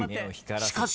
しかし］